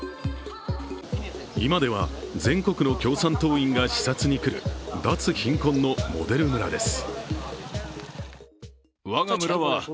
今では全国の共産党員が視察にくる脱貧困のモデル村です。